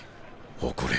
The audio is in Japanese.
誇れ。